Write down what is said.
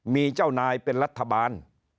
มีเจ้านายเป็นรัฐบาล